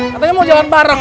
katanya mau jalan bareng